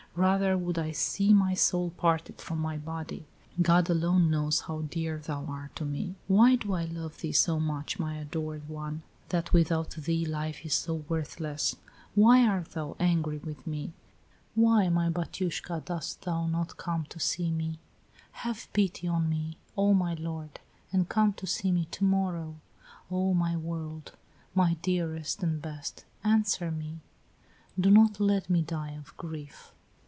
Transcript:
Rather would I see my soul parted from my body. God alone knows how dear thou art to me. Why do I love thee so much, my adored one, that without thee life is so worthless? Why art thou angry with me? Why, my batioushka, dost thou not come to see me? Have pity on me, O my lord, and come to see me to morrow. O, my world, my dearest and best, answer me; do not let me die of grief."